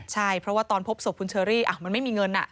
ใช่เพราะว่าตอนพบศพคุณเชอรี่มันไม่มีเงิน